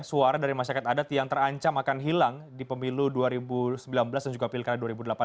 suara dari masyarakat adat yang terancam akan hilang di pemilu dua ribu sembilan belas dan juga pilkada dua ribu delapan belas